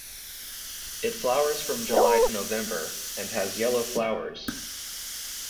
It flowers from July to November and has yellow flowers.